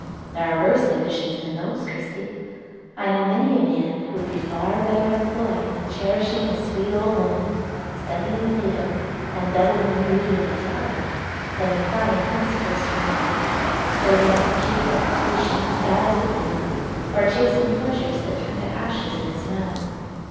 "There are worse ambitions than those, Christie. I know many a man who would be far better employed in cherishing a sweet old woman, studying Plato, and doubling the beauty of a flower, than in selling principles for money, building up a cheap reputation that dies with him, or chasing pleasures that turn to ashes in his mouth."